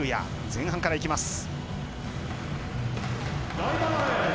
前半からいきます。